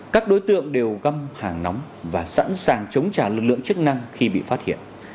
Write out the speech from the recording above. các đối tượng đều găm hàng nóng và sẵn sàng chống trả lực lượng chức năng khi bị phát hiện